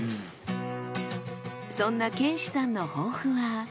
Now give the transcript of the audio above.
そんな賢志さんの豊富は。